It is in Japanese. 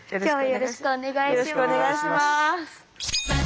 よろしくお願いします。